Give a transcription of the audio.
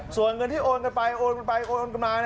ส่วนเงินที่โอนกันไปโอนกันไปโอนกันมา